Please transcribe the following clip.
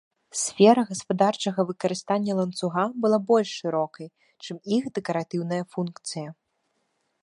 Сфера гаспадарчага выкарыстання ланцуга была больш шырокай, чым іх дэкаратыўная функцыя.